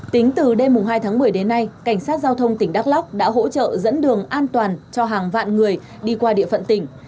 tính từ đêm hai tháng một mươi đến nay cảnh sát giao thông tỉnh đắk lóc đã hỗ trợ dẫn đường an toàn cho hàng vạn người đi qua địa phận tỉnh